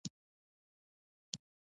ونې هوا پاکوي